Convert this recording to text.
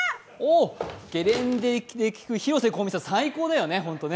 ゲレンデで聴く広瀬香美さん、最高だよね。